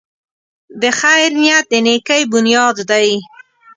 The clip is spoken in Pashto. د خیر نیت د نېکۍ بنیاد دی.